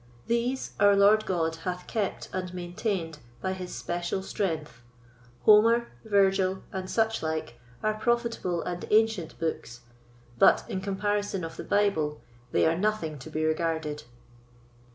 These our Lord God hath kept and maintained by his special strength. Homer, Virgil, and suchlike are profitable and ancient books; but, in comparison of the Bible, they are nothing to be regarded.